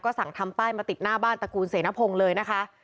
สั่งทำป้ายมาติดหน้าบ้านตระกูลเสนพงศ์เลยนะคะ